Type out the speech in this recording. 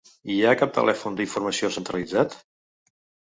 Hi ha cap telèfon d’informació centralitzat?